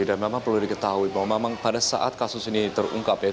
dan memang perlu diketahui bahwa memang pada saat kasus ini terungkap